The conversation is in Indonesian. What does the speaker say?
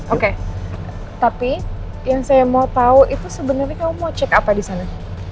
oke tapi yang saya mau tahu itu sebenarnya kamu mau cek apa di sana